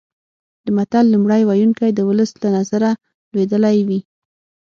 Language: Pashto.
د متل لومړی ویونکی د ولس له نظره لویدلی وي